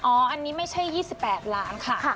อันนี้ไม่ใช่๒๘ล้านค่ะ